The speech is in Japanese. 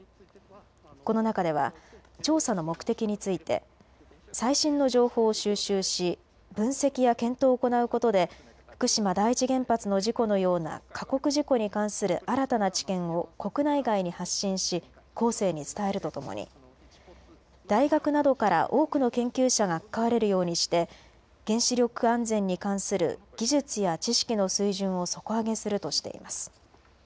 この中では調査の目的について最新の情報を収集し分析や検討を行うことで福島第一原発の事故のような過酷事故に関する新たな知見を国内外に発信し後世に伝えるとともに大学などから多くの研究者が関われるようにして原子力安全に関する技術や知識の水準を底上げするとしています。